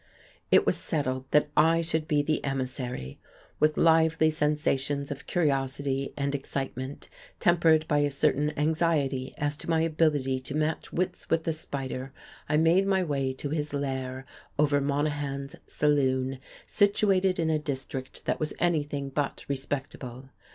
It was settled that I should be the emissary. With lively sensations of curiosity and excitement, tempered by a certain anxiety as to my ability to match wits with the Spider, I made my way to his "lair" over Monahan's saloon, situated in a district that was anything but respectable.